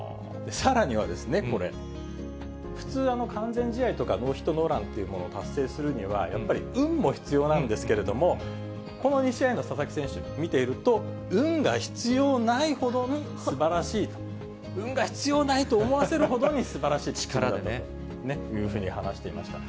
さらには、これ、普通、完全試合とか、ノーヒットノーランというものを達成するには、やっぱり運も必要なんですけれども、この２試合の佐々木選手を見ていると、運が必要ないほどにすばらしい、運が必要ないと思わせるほどにすばらしい力だったというふうに話していました。